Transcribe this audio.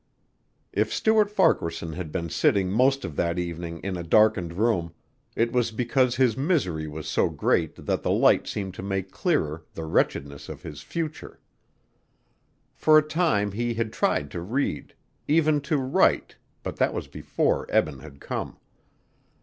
If Stuart Farquaharson had been sitting most of that evening in a darkened room, it was because his misery was so great that the light seemed to make clearer the wretchedness of his future. For a time he had tried to read; even to write, but that was before Eben had come.